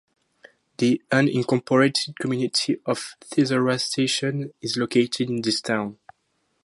The unincorporated community of Theresa Station is located in the town.